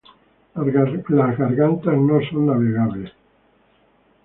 Las gargantas no son navegables.